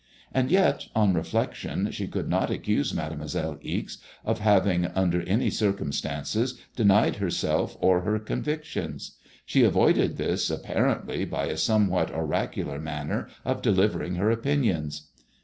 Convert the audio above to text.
And yet on reflection she could not accuse Mademoiselle Ixe of having under any circumstances denied herself or her convictions. She avoided this, apparently^ by a somewhat oracular manner of delivering her opinions.